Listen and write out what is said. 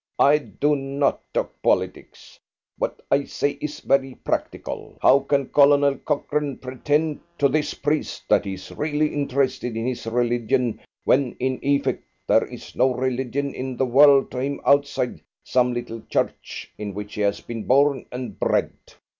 "I do not talk politics. What I say is very practical. How can Colonel Cochrane pretend to this priest that he is really interested in his religion when, in effect, there is no religion in the world to him outside some little church in which he has been born and bred?